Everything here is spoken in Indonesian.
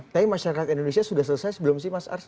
tapi masyarakat indonesia sudah selesai sebelum sih mas ars